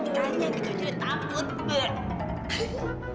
tanya juga juga takut